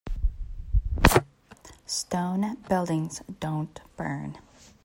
Stone buildings don't burn.